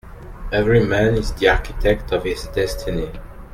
Every man is the architect of his destiny.